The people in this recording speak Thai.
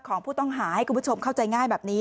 ของผู้ต้องหาให้คุณผู้ชมเข้าใจง่ายแบบนี้